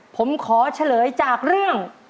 ผมขอเฉลยจากเรื่อง